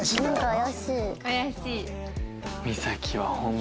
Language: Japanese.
怪しい。